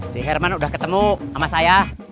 si herman udah ketemu sama saya